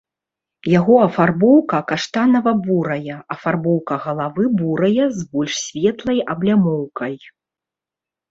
Яго афарбоўка каштанава-бурая, афарбоўка галавы бурая з больш светлай аблямоўкай.